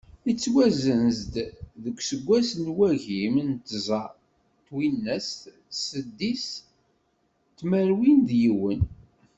Yettwasenz-d deg useggas n wagim d tẓa twinas d seddis tmerwin d yiwen.